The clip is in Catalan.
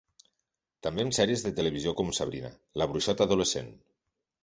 També en sèries de televisió com Sabrina, la bruixota adolescent.